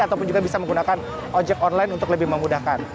ataupun juga bisa menggunakan ojek online untuk lebih memudahkan